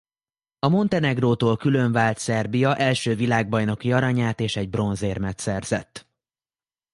A Montenegrótól különvált Szerbia első világbajnoki aranyát és egy bronzérmet szerzett.